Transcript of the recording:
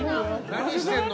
何してんの？